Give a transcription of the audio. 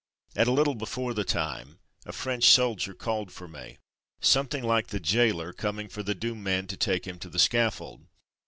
At a little before the time a French soldier called for me; something like the jailer coming for the doomed man to take him to the scaffold.